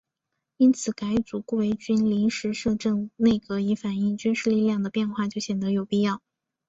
因此改组顾维钧临时摄政内阁以反映军事力量的变化就显得有必要。